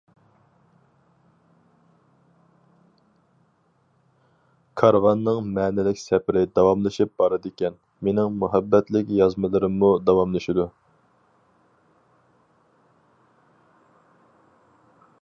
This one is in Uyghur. كارۋاننىڭ مەنىلىك سەپىرى داۋاملىشىپ بارىدىكەن، مېنىڭ مۇھەببەتلىك يازمىلىرىممۇ داۋاملىشىدۇ.